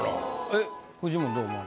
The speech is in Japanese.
えっフジモンどう思われます？